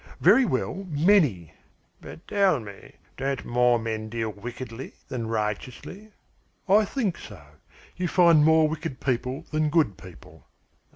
"Very well, many." "But tell me, don't more men deal wickedly than righteously?" "I think so. You find more wicked people than good people."